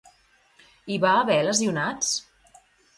Hi va haver lesionats?